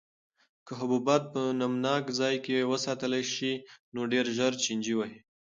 که حبوبات په نمناک ځای کې وساتل شي نو ډېر ژر چینجي وهي.